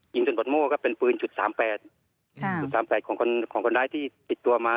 ยิงส่วนหมดโม่ก็เป็นปืน๓๘ของคนร้ายที่ปิดตัวมา